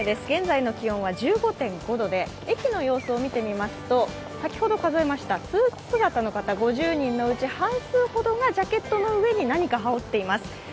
現在の気温は１５．５度で駅の様子を見てみますと先ほど数えましたスーツ姿の方５０人のうち半数ほどがジャケットの上に何か羽織っています。